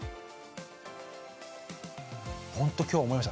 ほんと今日思いました。